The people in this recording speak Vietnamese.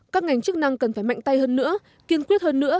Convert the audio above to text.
các ngành chức năng cần phải mạnh tay hơn nữa kiên quyết hơn nữa